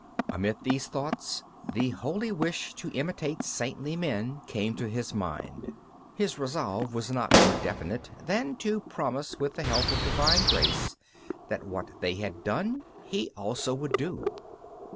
Amid these thoughts the holy wish to imitate saintly men came to his mind; his resolve was not more definite than to promise with the help of divine grace that what they had done he also would do.